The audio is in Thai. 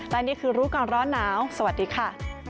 และนี่คือรู้ก่อนร้อนหนาวสวัสดีค่ะ